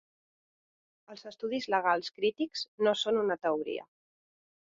Els estudis legals crítics no són una teoria.